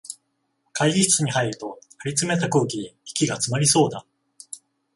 会議室に入ると、張りつめた空気で息がつまりそうだ